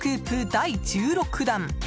第１６弾。